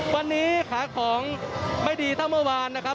วันนี้ขายของไม่ดีเท่าเมื่อวานนะครับ